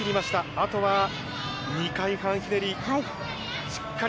あとは２回半ひねり。